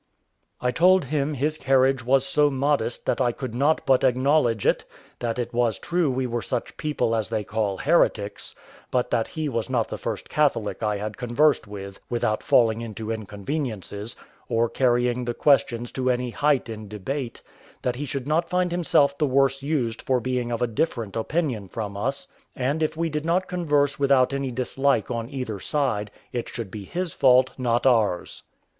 I told him his carriage was so modest that I could not but acknowledge it; that it was true we were such people as they call heretics, but that he was not the first Catholic I had conversed with without falling into inconveniences, or carrying the questions to any height in debate; that he should not find himself the worse used for being of a different opinion from us, and if we did not converse without any dislike on either side, it should be his fault, not ours.